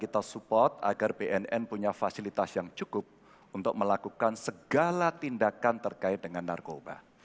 kita support agar bnn punya fasilitas yang cukup untuk melakukan segala tindakan terkait dengan narkoba